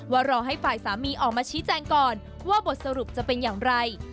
รอให้ฝ่ายสามีออกมาชี้แจงก่อนว่าบทสรุปจะเป็นอย่างไร